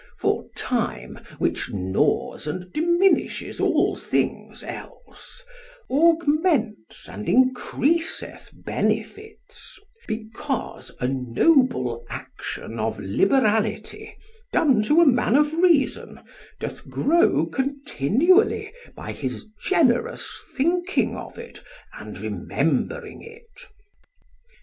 For time, which gnaws and diminisheth all things else, augments and increaseth benefits; because a noble action of liberality, done to a man of reason, doth grow continually by his generous thinking of it and remembering it.